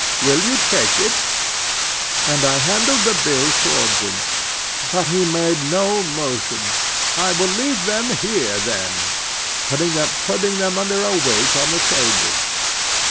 —Will you take it?" and I handed the bills towards him. But he made no motion. "I will leave them here then," putting them under a weight on the table.